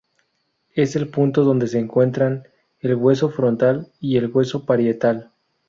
Es el punto donde se encuentran el hueso frontal y el hueso parietal.